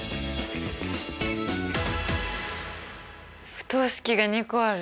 不等式が２個ある。